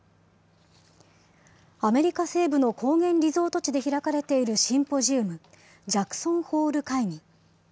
アメリカ西部の高原リゾート地で開かれているシンポジウム、ジャクソンホール会議。